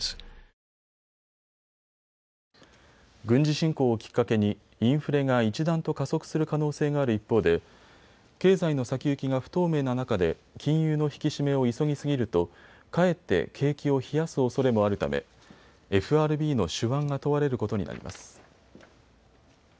軍事侵攻をきっかけにインフレが一段と加速する可能性がある一方で経済の先行きが不透明な中で金融の引き締めを急ぎすぎるとかえって景気を冷やすおそれもあるためＦＲＢの手腕が問われることになります。